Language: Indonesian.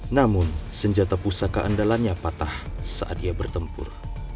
namun senjata pusaka andalannya patah saat ia bertempur